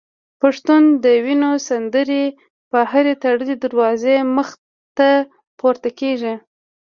پښتون د وینو سندري به د هري تړلي دروازې مخته پورته کیږي